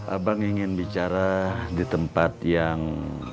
abang ingin bicara di tempat yang